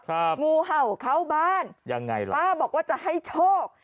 ครับงูเห่าเข้าบ้านป้าบอกว่าจะให้โชค